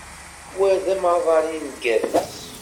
Wa d amaḍal imgerrez.